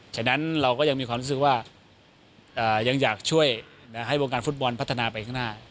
ฉะนั้นเราก็ยังมีความรู้สึกว่ายังอยากช่วยให้วงการฟุตบอลพัฒนาไปข้างหน้า